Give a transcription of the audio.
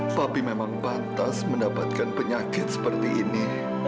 tapi memang pantas mendapatkan penyakit seperti ini